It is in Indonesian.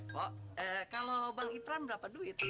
kok kalau bang ipran berapa duit